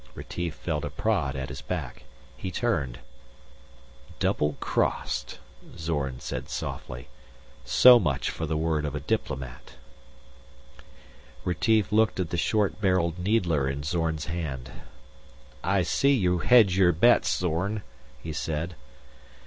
Retief felt a prod at his back. He turned. "Doublecrossed," Zorn said softly. "So much for the word of a diplomat." Retief looked at the short barreled needler in Zorn's hand. "I see you hedge your bets, Zorn," he said.